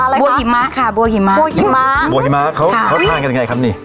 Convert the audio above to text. บัวหิมะค่ะบัวหิมะบัวหิมะบัวหิมะเขาเขาทานกันยังไงครับนี่